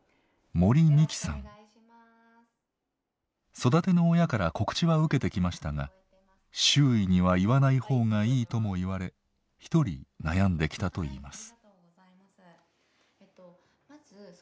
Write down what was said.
育ての親から告知は受けてきましたが「周囲には言わないほうがいい」とも言われ一人悩んできたといいます。